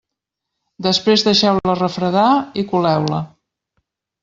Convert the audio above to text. Després deixeu-la refredar i coleu-la.